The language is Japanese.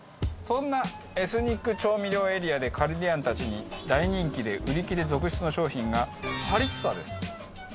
そんなエスニック調味料エリアでカルディアンたちに大人気で売り切れ続出の商品がハリッサです。